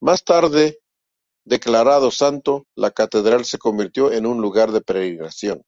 Más tarde declarado santo, la catedral se convirtió en un lugar de peregrinación.